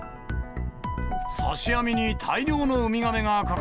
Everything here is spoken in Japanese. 刺し網に大量のウミガメがか